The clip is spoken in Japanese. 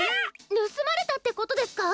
ぬすまれたってことですか？